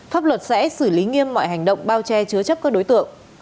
pháp luật sẽ xử lý nghiêm mọi hành động bao che chứa chấp các đối tượng